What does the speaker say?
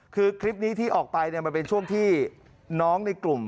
คือคลิปนี้ที่ออกไปมันเป็นช่วงที่น้องในกลุ่ม